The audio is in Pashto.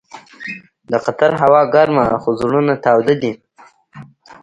د قطر هوا ګرمه خو زړونه تاوده دي.